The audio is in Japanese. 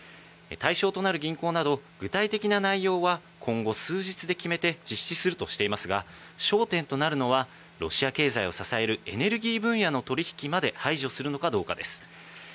対象となる銀行など具体的な内容は今後数日で決めて実施するとしていますが、焦点となるのはロシア経済を支えるエネルギー分野の取引まで排除するのかどうかです。